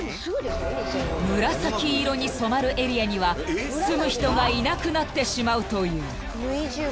［紫色に染まるエリアには住む人がいなくなってしまうという］